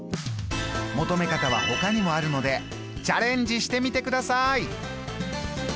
求め方はほかにもあるのでチャレンジしてみてください。